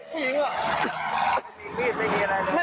ไม่มีอะไรเลย